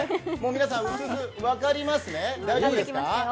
皆さん、うすうす分かりますね。